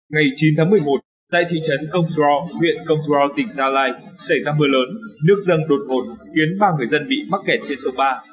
ngày chín tháng một mươi một tại thị trấn công slo huyện công trua tỉnh gia lai xảy ra mưa lớn nước dâng đột ngột khiến ba người dân bị mắc kẹt trên sông ba